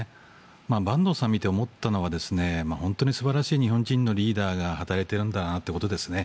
板東さんを見て思ったのは本当に素晴らしい日本人のリーダーが働いているんだなということですね。